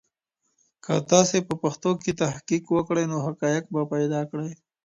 که تاسي په پښتو کي تحقیق وکړی نوي حقایق به پیدا کړی.